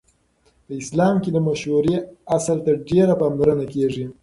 په اسلام کې د مشورې اصل ته ډېره پاملرنه کیږي.